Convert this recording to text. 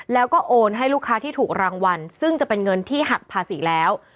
แล้วก็โอนให้ลูกค้าที่ถูกรางวัลซึ่งจะเป็นเงินที่หักภาษีแล้ว